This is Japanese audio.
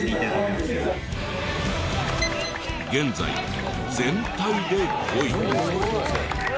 現在全体で５位。